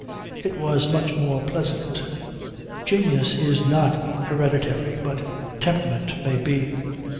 It was much more pleasant. Genius is not hereditary but temperament may be.